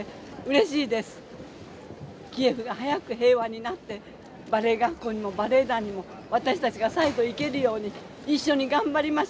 キーウが早く平和になってバレエ学校にもバレエ団にも私たちが再度行けるように一緒に頑張りましょう！